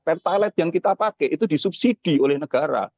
pertalite yang kita pakai itu disubsidi oleh negara